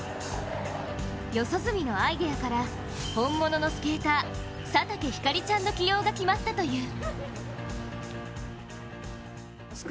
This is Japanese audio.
四十住のアイデアから本物のスケーター、佐竹晃ちゃんの起用が決まったという。